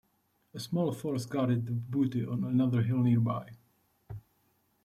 A small force guarded the booty on another hill nearby.